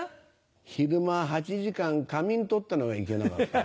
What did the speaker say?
昼間８時間仮眠取ったのがいけなかったかな。